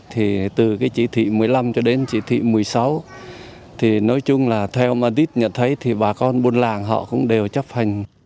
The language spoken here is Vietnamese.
thì từ cái chỉ thị một mươi năm cho đến chỉ thị một mươi sáu thì nói chung là theo ông mattit nhận thấy thì bà con buôn làng họ cũng đều chấp hành